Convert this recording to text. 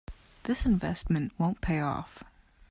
This investment won't pay off.